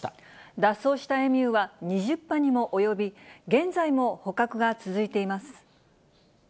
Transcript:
脱走したエミューは２０羽にも及び、現在も捕獲が続いています。